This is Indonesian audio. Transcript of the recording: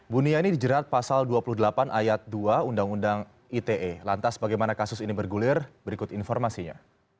buniani dijerat pasal dua puluh delapan ayat dua undang undang ite lantas bagaimana kasus ini bergulir berikut informasinya